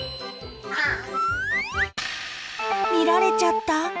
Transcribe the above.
見られちゃった。